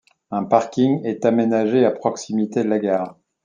Un parking est aménagé à proximité de la gare.